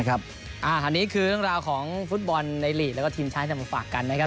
อันนี้คือเรื่องราวของฟุตบอลในลีกแล้วก็ทีมชาติจะมาฝากกันนะครับ